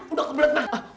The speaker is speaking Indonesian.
udah kebelet mak